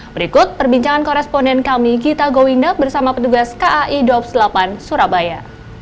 berikut perbincangan koresponden kami gita gowinda bersama petugas kai dua puluh delapan surabaya